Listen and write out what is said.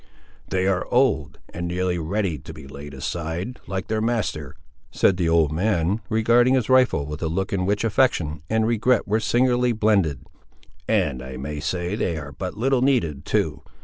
"They are old, and nearly ready to be laid aside, like their master," said the old man, regarding his rifle, with a look in which affection and regret were singularly blended; "and I may say they are but little needed, too.